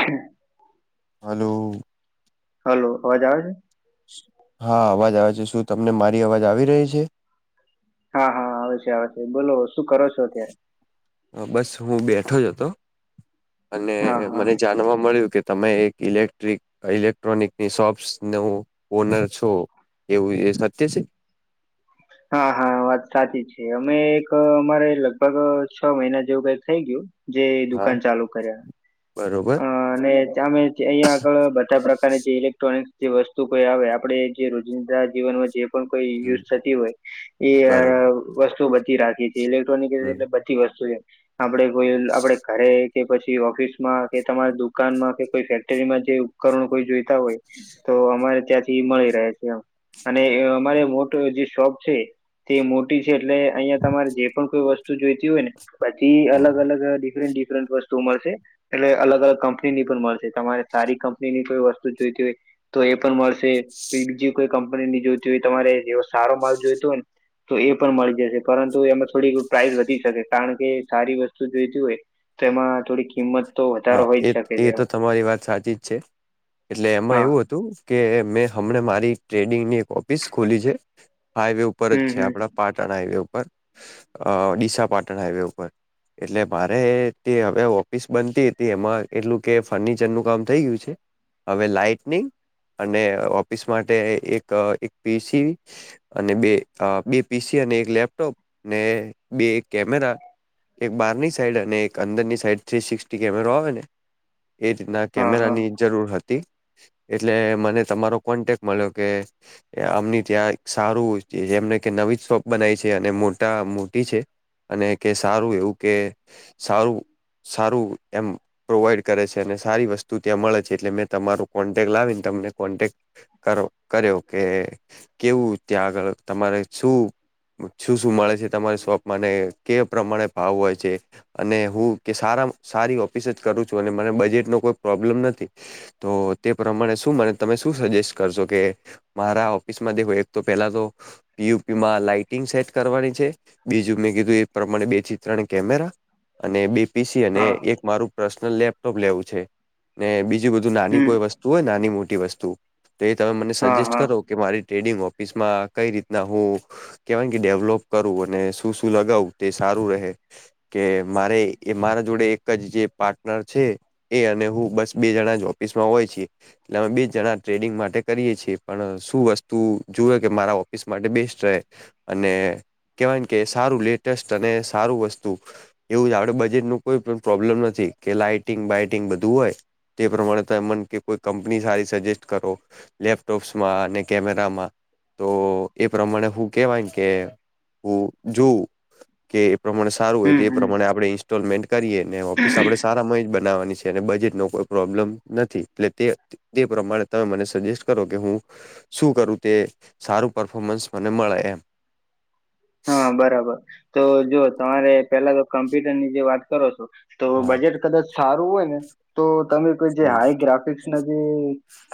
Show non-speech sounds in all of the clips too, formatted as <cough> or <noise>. <inaudible> હાલો. Hello અવાજ આવે છે? હા અવાજ આવે છે શું તમને મારી અવાજ આવી રહી છે? હા હા આવે છે આવે છે બોલો શું કરો છો અત્યાર હ બસ હું બેઠો જ અતો, અને હા હા મને જાનવા મળ્યું કે તમે એક ઇલેક્ટ્રિક ઇલેક્ટ્રોનિકની શોપ્સ નો ઓનર છો. એવું એ સત્ય છે? હા હા વાત સાચી છે અમે એક અમારે લગભગ છ મહિના જેવું કઈક થઈ ગયું. જે હા દુકાન ચાલુ કર્યા. બરોબર. અ અને અમે જ અઇયા આગળ બધા પ્રકારની જે ઇલેક્ટ્રોનિક્સ જે વસ્તુ કોઈ આવે આપડે જે રોજિંદા જીવનમાં જે કોઇ હમ યુઝ થતી હોય, એ બરોબર વસ્તુ બધી રાખી છે હમ ઇલેક્ટ્રોનિકલે વસ્તુ છે, આપડે કોઈ આપડે ઘરે કે પછી ઓફિસ માં કે તમારા દુકાનમાં કે કોઈ ફેક્ટરીમાં જે ઉપકરણો કોઈ જોઈતા હોય. અમારે ત્યાંથી મળી રહે છે, અને અમારે મોટો જે શોપ છે. તે મોટી છે એટલે અહિયાં તમારે જે પણ કોઈ વસ્તુ જોઈતી હોય ને. પછી અલગ અલગ ડિફરન્ટ ડિફરન્ટ વસ્તુઓ મળશે. એટલે અલગ અલગ કંપની ની પણ મળશે તમારે સારી કંપની ની કોઈ વસ્તુ જોઈતી હોય. તો એ પણ મળશે, બીજી કોઈ કંપની ની જોઈતી હોય તમારે જેવો સારો માલ જોઈતો હોય ને. તો એ પણ મળી જશે પરંતુ એમાં થોડી પ્રાઇઝ વધી શકે કારણ કે સારી વસ્તુ જોઈતી હોય. તેમાં થોડી કિંમત તો વધારો હા હોય એ જ શકે એ છે તો તમારી વાત સાચી જ છે. એટલે એમાં હા એવું હતું કે મેં હમણાં મારી ટ્રેડિંગની એક ઓફિસ ખોલી છે. હાઈવે ઉપર જ હમ છે હમ આપણા પાટણ હાઈવે ઉપર. અ ડીસા પાટણ હાઈવે ઉપર, એટલે મારે તે હવે ઓફિસ બનતી તે એમાં એટલું કે ફર્નિચરનું કામ થઈ ગયું છે. હવે લાાઈટનિંગ અને ઓફિસ માટે એક પીસી. અને બે બે પીસી અને એક લેપટોપ અને બે કેમેરા. એક બહારની સાઈડ અને એક અંદર ની સાઈડ થ્રી સિક્સટી કેમેરો આવે, ને એ રીતના હા કેમેરા હા ની જરૂર હતી. એટલે મને તમારો કોન્ટેક મળ્યો કે આમની ત્યાં સારું જેમને કે નવી શોપ બનાવી છે અને મોટા મોટી છે. અને કે સારું એવું કે સારું સારું એમ. પ્રોવાઈડ કરે છે અને સારી વસ્તુ ત્યાં મળે છે એટલે મેં તમારો કોન્ટેક લાવીને તમને કોન્ટેક કરો કર્યો કે કેવું ત્યાં આગળ તમારે શું શું શું મળે છે તમારી શોપમાંને કે પ્રમાણે ભાવ હોય છે? અને હું કે સારા સારી ઓફિસે જ કરું છું અને મને બજેટ નો કોઈ પ્રોબ્લમ નથી. તો તે પ્રમાણે શું મને તમે શું સજેસ્ટ કરશો કે મારા ઓફિસમાં દેખો એક તો પેલા તો પીયુપી માં લાાઈટિંગ સેટ કરવાની છે, બીજું મેં કીધું એ પ્રમાણે બે થી ત્રણ કેમેરા અને બે પીસી અને હા એક મારું પર્સનલ લેપટોપ લેવું છે ને બીજું બધું નાની હમ કોઈ વસ્તુ હોય નાની મોટી વસ્તુ તો એ તમે મને હા સજેસ્ટ હા કરો કે મારી ટ્રેડિંગ ઓફિસ માં કઈ રીતના હું કેવાય ને કે ડેવલોપ કરવું અને શું શું લગાવું તે સારું રહે. કે મારે એ મારા જોડે એક એક જ જે પાર્ટનર છે એ અને હું બસ બે જણા જ ઓફિસમાં હોય છે. એટલે અમે બે જણા ટ્રેડિંગ માટે કરીએ છીએ પણ શું વસ્તુ જોવે કે મારા ઓફિસ માટે બેસ્ટ રહે. અને કહેવાય ને કે સારું લેટેસ્ટ અને સારું વસ્તુ એવું આપડે બજેટ નું કોઈ પણ પ્રોબ્લમ નથી કે લાઈટિંગ બાઈટિંગ બધું હોય તે પ્રમાણે તમે મને કે કોઈ કંપની સારી સજેસ્ટ કરો લેપટોપ્સમાં અને કેમેરામાં તો એ પ્રમાણે હું કેહવાય ને કે હું જોઉ કે એ પ્રમાણે સારું હોય હમ તો એ હમ પ્રમાણે આપણે ઇન્સ્ટોલમેન્ટ કરીએ. ને ઓફિસ આપણે સારામાં જ બનાવવાની છે. એટલે બજેટ નો કોઈ પ્રોબ્લેમ નથી એટલે તે તે પ્રમાણે તમે મને સજેસ્ટ કરો કે હું શું કરું તે સારું પરફોર્મન્સ મને મળે એમ. <inaudible> હા બરાબર તો જો તમારે પેલા તો કમ્પ્યુટરની જે વાત કરો છો તો હા બજેટ કદાચ સારું હોય ને તો તમે કોઈ જે હમ હાઈ ગ્રાફિક્સ ના જે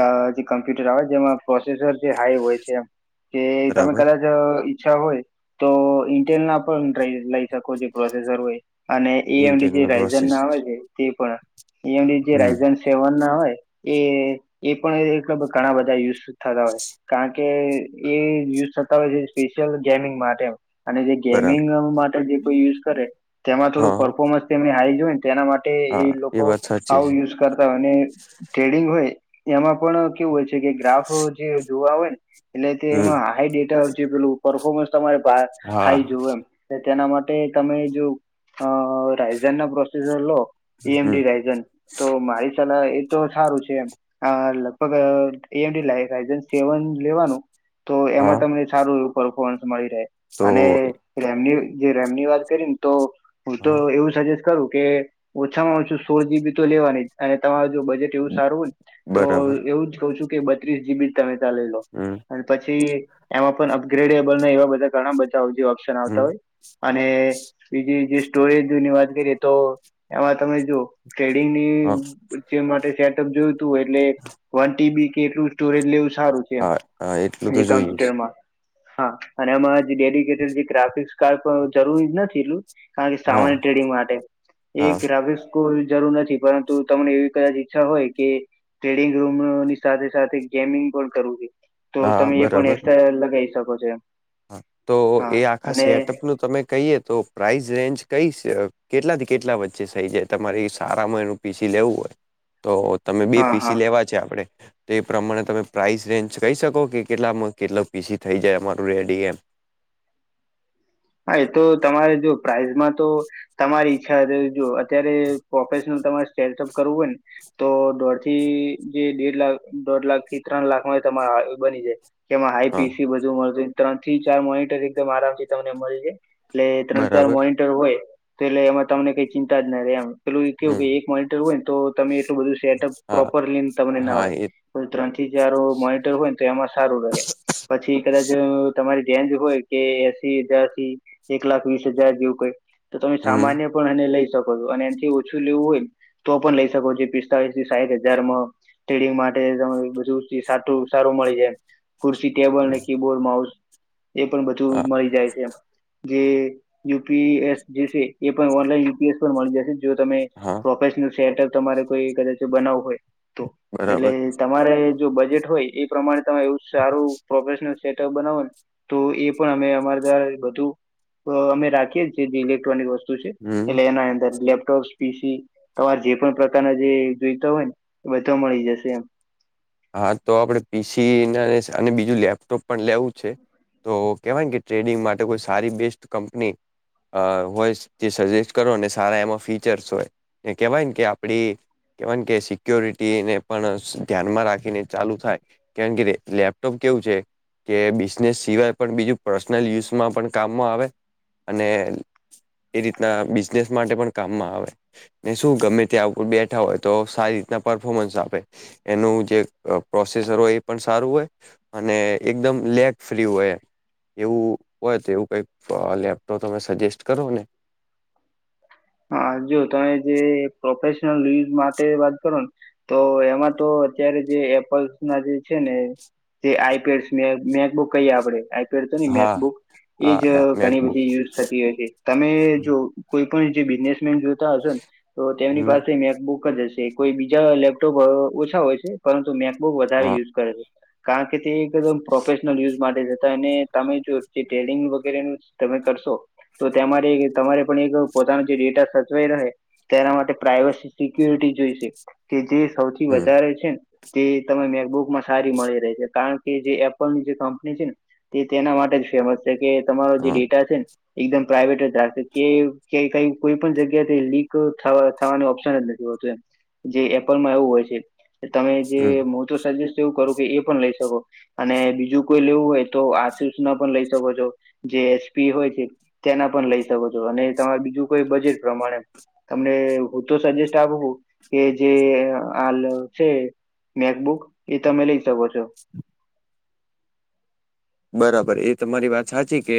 કા જે કમ્પ્યુટર આવે જેમાં પ્રોસેસર જે હાઈ હોય છે એ તે તમે બરાબર કદાચ જ ઈચ્છા હોય તો ઇન્ટેલના પણ લઈ શકો જે પ્રોસેસર હોય અને એએમડી ઇન્ટેલ જે નો પ્રોસેસ રાયઝનના આવે છે તે પણ એએમડી જે હમ રાયઝન સેવનના હોય એ એ પણ એટલા ઘણા બધા યુઝ થતા હોય કારણ કે એ યુઝ થતા હોય છે સ્પેશિયલ ગેમિંગ માટ અને જે ગેમિંગ બરાબર માટે જે કોઈ યુઝ કરે તેમાં થોડું હા પરફોમન્સ તેની હાઈ જ હોય ને તેના માટે એ હા એ લોકો વાત સાચી છે આવું યુઝ કરતા હોય અને ટ્રેડિંગ હોય એમાં પણ કેવું હોય છે કે ગ્રાફ જે જોવા હોય ને એટલે તે હમ એમાં હાઈ ડેટા જે પેલું પરફોર્મન્સ તમારે હા હાઈ જોવે એમ ને તેના માટે તમે જો અ રાયઝનના પ્રોસેઝર લો હમ એએમડી રાયઝન તો મારી સલાહ એ તો સારું છે એમ. હા લગભગ એએમડી રાયઝન સેવન લેવાનું તો હા એમાં તમને સારું એવું પરફોમન્સ મળી રહે તો અને રેમની જે રેમની વાત કરી ને તો હું તો હા એવું સજે સ કરું કે ઓછું મા ઓછું સોળ જીબી તો લેવાની જ અને તમારું જો બજેટ એવું સારું હોય ને તો બરાબર એવું જ કઉ છું કે બત્રીસ જીબી જ તમે તાર લઈ લો. હમમ અને પછી એમાં પણ અપગ્રેડેબલ ને એવા બધા ઘણા બધા જે ઓપ્શન હમ આવતા હોય. અને બીજી જે સ્ટોરેજની વાત કરીએ તો એમાં તમે જો હા ટ્રેડિંગની જે માટે સેટઅપ જોઈતું હોય એટલે વન ટીબી કે એટલું સ્ટોરેજ લેવું સારું છે એમ હા હા એટલું તો જે જોઈએ છે કમ્પ્યુટરમાં હા અને એમાં જે ડેડિકેટેડ જે ગ્રાફિકસ કાર્ડ પણ જરૂરી નથી એટલું. ખાલી હા સામાન્ય ટ્રેડિંગ માટે. એ હા ગ્રાફિક્સ કોઈ જરૂર નથી પરંતુ તમને એવી કદાચ ઈચ્છા હોય કે ટ્રેડિંગ રૂમ અહ ની સાથે સાથે ગેમિંગ પણ કરવું છે. તો હા તમે એ પણ બરાબર એસ્ટ્રા લગાઈ શકો છો એમ. હા તો હા એ આખા અને સેટઅપનું તમે કહીએ તો પ્રાઇઝ રેન્જ કઈશ કેટલાથી કેટલા વચ્ચે થઈ જાય તમારે સારામાં એનું પી સી લેવું હોય. તો તમે બે હા પી સી હા લેવા છે આપડે. તે પ્રમાણે તમે પ્રાઇસ રેન્જ કહી શકો કે કેટલામાં કેટલો પી સી થઈ જાય અમારું રેડી એમ. હા એ તો તમારે જો પ્રાઇઝમાં તો તમારી ઈચ્છા જે જો અત્યારે પ્રોફેશનલ તમારે સ્ટેટઅપ કરવું હોયને તો દોઢ થી જે દેઢ લાખ દોઢ લાખ થી ત્રણ લાખમાં તમારે બની જાય. જેમાં હાઈ હા પી સી બધું મળતું ત્રણ થી ચાર મોનીટર એકદમ આરામથી તમને મળી જાય. એટલે ત્રણ ચાર બરાબર મોનીટર હોય તો એટલે એમાં તમને કઈ ચિંતા જ ના રહેે એમ. પેલું એ કેવું હમ કે એક મોનીટર હોયને તો તમે એટલું બધું સેટઅપ હા પ્રોપરલી તમને ના હા હોય. એ પેલુ ત્રણ થી ચાર મોનિટર હોય ને તો એમાં સારું રહે. પછી કદાચ અહ તમારી રેન્જ હોય કે તીહ હજાર થી એક લાખ વીસ હજાર જેવું કઈ તો તમે હમ સામાન્ય પણ એને લઈ શકો છો અને એથી ઓછું લેવું હોય તો પણ લઈ શકો છો પિસ્તાલીસથી સાહીઠ હજારમાં ટ્રેડિંગ માટે તમેં ઈ બધું સાટુ સારું મળી જાય. કુરસી ટેબલ ને હમ, કીબોર્ડ માઉસ એ પણ બધું હા મળી જાય છે જે યુ પી એસ જે છે એ પણ ઓનલાઈન યુ પી એસ પણ મળી જાશે. જો તમે હા પ્રોફેશનલ સેટઅપ તમારે કોઈ કદાચ બનાવવું હોય તો એટલે બરાબર ત મારે જો બજેટ હોય એ પ્રમાણે તમે એવું સારું પ્રોફેશનલ સેટઅપ બનાવો તો એ પણ અમે અમારે જે બધું અહ અમે રાખીએ જે ઇલેક્ટ્રોનિક વસ્તુ છે હમ એટલે એના અંદર લેપટોપ પી સી તમારે જે પણ પ્રકારના જે જોઈતા હોય ને બધો મળી જશે એમ. હા તો આપડે પી સી ના લેશ અને બીજું લેપટોપ પણ લેવું છે. તો કહેવાય કે ટ્રેડિંગ કોઈ સારી બેસ્ટ કંપની અહ હોય તે સજેસ્ટ કરોને સારા એમાં ફીચર્સ હોય એ કહેવાય ને કે આપડી કેવા કે સિક્યોરિટી ને પણ ધ્યાનમાં રાખ એને ચાલુ થાય કેમ કે દે લેપટોપ કેવું છે કે બિઝનેસ સિવાય પણ બીજું પર્સનલ યુઝમાં પણ કામમાં આવે, અને એ રીતના બિઝનેસ માટે પણ કામમાં આવે. ને શું ગમે ત્યાં ઉપર બેઠા હોય તો સારી રીતના પરફોર્મન્સ આપે એનું જે અહ પ્રોસેસર હોય એ પણ સારું હોય અને એકદમ લેગ ફ્રી હોય એવું હોય તો એવું કંઈક લેપટોપ તમે સજેસ્ટ કરો ને હા જો તમે જે પ્રોફેશનલ યુઝ માટે વાત કરોને તો એમાં તો અત્યારે જે એપલ્સના જે છે ને તે આઈ પેડ્સ ને મેક બુક કહીએ આપડે ઘર તની મેક હા બુક હા એજ એ અહ ઘણી મેકબુક બધી યુઝ થતી હોય છે. તમે જો કોઈ પણ જે બિઝનેસમેન જોતા હશો ને તો તેમની હમ પાસે મમેક બુક જ હશે કોઈ બીજા લેપટોપ અહ ઓછા હોય છે, પરંતુ મેક બુક બહુ વધારે હા યુઝ કરે છે. કારણ કે એકદમ પ્રોફેશ નલ યુઝ માટે જતા એને તમે જો જે ટેલિંગ વગેરે તમે કરશો તો તેમાંથી તમારે પણ એક પોતાનો જે ડેટા સચવાઈ રહે તેના માટે પ્રાઈવસી સિક્યુરિટી જોઈ સે, કે જે સૌથી હમ વધારે છે તે તને મેકબુકમાં સારી મળી રહે છે, કારણ કે જે એપલની જે કંપની છે તે તેના માટે જ ફેમસ છે, કે તમારો જે હા ડેટા છે, ને એકદમ પ્રાઇવેટ જ રાખશે કે કે કંઈક કોઈ પણ જગ્યાથી લીક થવાનું ઓપ્શન જ નથી હોતું એમ જે એપલમાં એવું હોય છે, તમે જે હમ મોટર સર્વિસ એવું કરો કે એ પણ લઈ શકો અને બીજું કોઈ લેવું હોય તોઆ સૂચના પણ લઈ શકો છો જે એચપી હોય કે તેના પણ લઈ શકો છો, અને તમારે બીજું કોઈ બજેટ પ્રમાણે તમને હું તો સજેસ્ટ આપું કે જે હાલ છે મેકબુક એ તમે લઈ શકો છો બરાબર એ તમારી વાત સાચી કે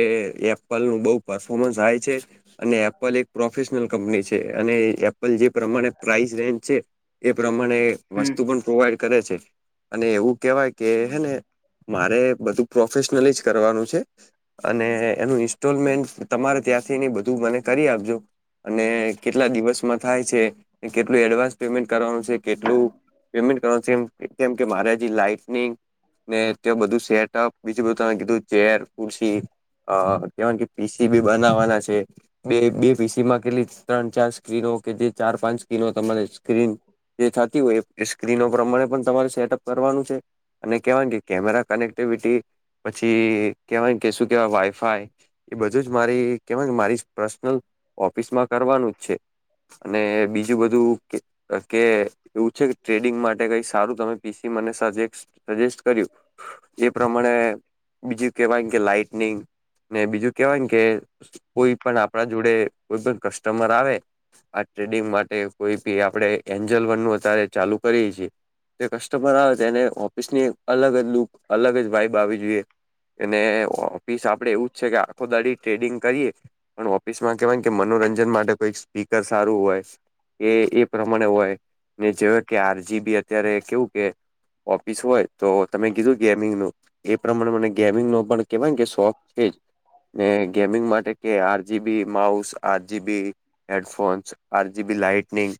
એપલ નું બહુ પરફોર્મન્સ હાય છે અને એપલ એક પ્રોફેશનલ કંપની છે, અને એપલ જે પ્રમાણે પ્રાઇસ રેન્જ છે એ પ્રમાણે હમ વસ્તુ પણ પ્રોવાઈડ કરે છે, અને એવું કેહેવાય કે હેને મારે બધું પ્રોફેશનલજ કરવાનું છે અને એનું ઈન્સ્ટોલમેન્ટ તમારે ત્યાંથી ને બધું મને કરી આપજો અને કેટલા દિવસમાં થાય છે અને કેટલું એડવાન્સ પેમેન્ટ કરવાનું છે કેટલું પેમેન્ટ કરવાનું છે જેમ કેમકે મારે અજી લાઈફનીને ત્યાં બધું સેટપ, બીજું બધું તમે કીધું ચેર, ખુરસી અ કેવા કે પીસી ભી બનાવવાના છે બે બે પીસીમાં કેટલી ત્રણ, ચાર સ્ક્રીનો કે જે ચાર, પાંચ સ્ક્રીનો તમારે છે સ્ક્રીન જેે થાતી હોય એ સ્ક્રીનો પ્રમાણે પણ તમારે સેટઅપ કરવાનું છે, અને કહેવાનું કે કેમેરા કનેક્ટિવિટી પછી કેવાય કેશું કેવાય વાયફાય એ બધું જ મારી કેવાય મારી પર્સનલ ઓફિસમાં કરવાનું જ છે અને બીજું બધું કે કે એવું છે, ટ્રેડિંગ માટે કંઈ સારું તમે પીસી મને સજેસ્ટ કર્યું એ પ્રમાણે બીજું કેવાય કે લાઈટનિંગને, બીજું કેવાય કે કોઈપણ આપણા જોડે કોઈ પણ કસ્ટમર આવે આ ટ્રેડિંગ માટે કોઈ બી આપણે એન્જલ વન નુ અત્યારે ચાલુ કરીએ છીએ જે કસ્ટમર આવે તેને ઓફિસની અલગ જ લુક અલગ જ વાઈબ આવી જોઈએ એને ઓફિસ આપડે એવું છે કે આખો દાડે ટ્રેડિંગ કરીએ પણ ઓફિસમાં કેવાય કે મનોરંજન માટે કઈક સ્પીકર સારું હોય કે એ પ્રમાણે હોય ને જેવો કે આરજી બી અત્યારે કેવું કે ઓફિસ હોય તો તમે કીધું ગેમિંગનું એ પ્રમાણે મને ગેમિંગનો પણ કેવાયને કે શોખ છે જ ને ગેમિંગ માટે કે R GB mouse, R GB headphones, R G B lightning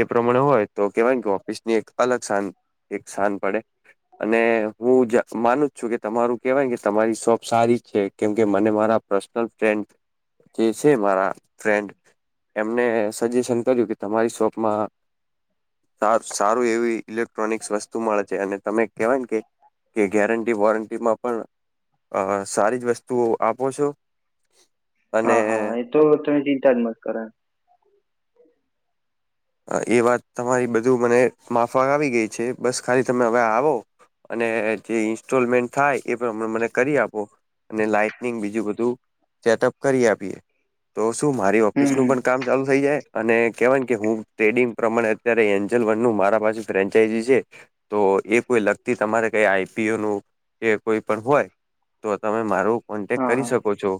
એ પ્રમાણે હોય તો કેવાય કેને કે ઓફિસ ની એક અલગ સાન એક સાન પડે અને હું જ માનું જોકે તમારું કેહેવાય કે તમારી શોપ સારી છે કેમ કે મને મારા પર્સનલ ફેન જે છે મારા ફ્રેન્ડ એમને સજેશન કર્યું કે તમારી શોપ માં આપ સારું એવી ઇલેક્ટ્રોનિક્સ વસ્તુ મળે છે અને તમે કહેવાય કે ગેરંન વોરંટી મા પણ સારી જ વસ્તુઓ આપો છો હા અને. હા એ તો તે ચિંતા જ મત કરા. એ વાત તમારી બધું મને માફ આવી ગઈ છે બસ ખાલી તમે હવે આવો અને જે ઈન્સ્ટોલમેન્ટ થાય એ પણ મને કરી આપો અને લાાઈટનિંગ બીજું બધું ચેટઅપ કરી આપીએ. તો શું મારી ઓફિસ હમ નું હમ પણ કામ ચાલુ થઈ જાય અને કવાયને કે હું ટ્રેડિંગ પ્રમાણે અત્યારે એન્જલ વન નું મારા પાસે ફ્રેન્ચાઈ છે. તો એ કોઈ લગતી તમારે કઈ આઈપીઓ નું એ કોઈ પણ હોય. તો તમે મારો કોન્ટેક્ટ હા કરી હા શકો છો.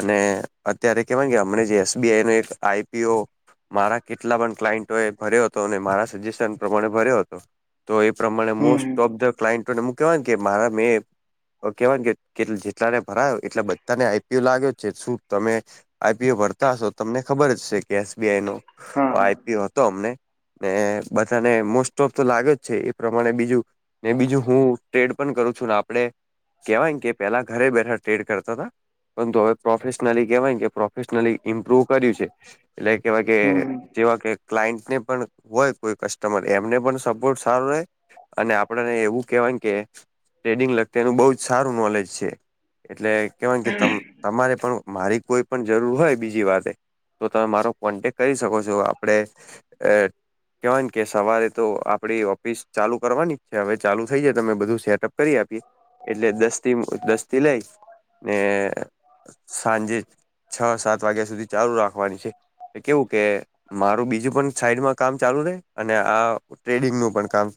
અને અત્યારે કેવામને જે એસબીઆઈ નો એક આઈપીઓ મારા કેટલા પણ ક્લાઈન્ટો એ ભર્યો હતો અને મારા સજેશન પ્રમાણે ભર્યો હતો તો એ પ્રમાણે હમ મોસ્ટ હમ ઓફ દ ક્લાયન્ટોને મુક્યા હોય ને કે મારા મેં કેવાય કે જેટલાને ભરાયો એટલે બધાને આઈપીયુ લાગ્યો છે શું તમે આઈપીઓ ભરતા હશો તમને ખબર જ છે કે એસબીઆઈ નો હા હા આઈ પી ઓ હતો અમને ને બધાને મોસ્ટ ઓફ તો લાગે જ છે એ પ્રમાણે બીજું ને બીજું હું ટ્રેડ પણ કરું છું આપડે કેહેવાય કે પેલા ઘરે બેઠા ટ્રેડ કરતા તા પરંતુ હવે પ્રોફેશનલી કેહેવાય કે પ્રોફેશનલી ઇમ્પ્રુવ કર્યું છે. એટલે કેવા કે હમ હમ જેવા કે. ક્લાયન્ટને પણ હોય કોઈ કસ્ટમર એમને પણ સપોર્ટ સારો રહે. અને આપણને એવું કહેવાય કે ટ્રેડિંગ લગતે એનું બહું જ સારું નોલેજ છે. એટલે કેવાય ને કે તમ તમારે પણ મારી કોઈ પણ જરૂર હોય બીજી વાતે તો તમે મારો કોન્ટેક કરી શકો છો આપ આપડે એ કહેવાય કે સવારે તો આપડી ઓફિસ ચાલુ કરવાની જ છે હવે ચાલુ થઈ જાય તમે બધું સેટઅપ કરી આપીએ એટલે દસ દી દસ થી લઈ ને સાંજે છ સાત વાગ્યા સુધી ચાલુ રાખવાની છે કેવું કે મારું બીજું પણ સાઈડમાં કામ ચાલુ રે અને આ ટ્રેડિંગ નું પણ કામ